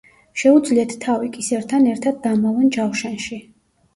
შეუძლიათ თავი კისერთან ერთად დამალონ ჯავშანში.